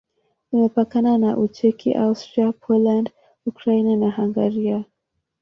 Imepakana na Ucheki, Austria, Poland, Ukraine na Hungaria.